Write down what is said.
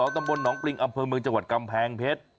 ตำบลหนองปริงอำเภอเมืองจังหวัดกำแพงเพชร